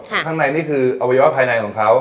ข้างในนี่คืออวัยวะภายในของเขา